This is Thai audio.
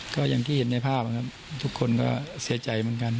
ก็อย่างที่เห็นในภาพนะครับทุกคนก็เสียใจเหมือนกัน